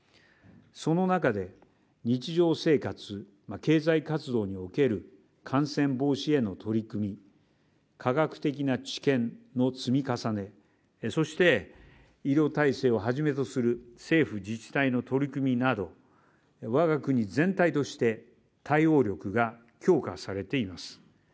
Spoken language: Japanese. その中で日常生活、経済活動における感染防止への取り組み、科学的な知見の積み重ね、そして医療体制をはじめとする政府・自治体の取り組みなど我が国全体として対応力が強化されています。